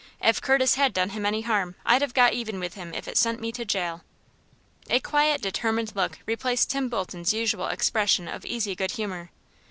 If Curtis had done him any harm, I'd have got even with him if it sent me to jail." A quiet, determined look replaced Tim Bolton's usual expression of easy good humor.